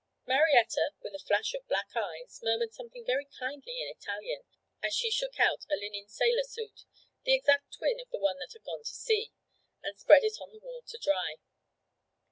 Marietta, with a flash of black eyes, murmured something very kindly in Italian, as she shook out a linen sailor suit the exact twin of the one that had gone to sea and spread it on the wall to dry.